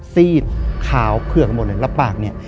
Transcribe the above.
ซีดขาวเผือกหมดเลยแล้วปากเนี่ย